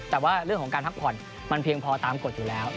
แต่ว่าเรื่องของการพักผ่อนมันเพียงพอตามกฎอยู่แล้ว